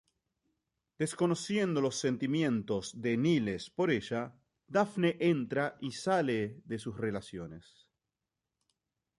Desconociendo los sentimientos de Niles por ella, Daphne entra y sale de sus relaciones.